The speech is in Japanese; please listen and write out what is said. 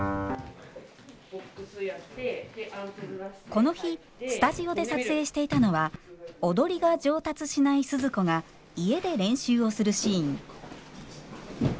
この日スタジオで撮影していたのは踊りが上達しないスズ子が家で練習をするシーン。